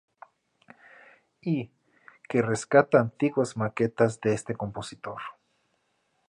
I", que rescata antiguas maquetas de este compositor.